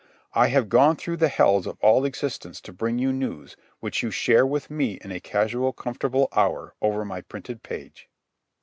I have gone through the hells of all existences to bring you news which you will share with me in a casual comfortable hour over my printed page.